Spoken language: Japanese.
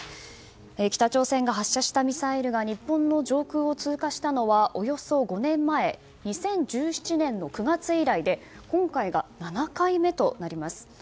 北朝鮮が発射したミサイルが日本の上空を通過したのはおよそ５年前２０１７年の９月以来で今回が７回目となります。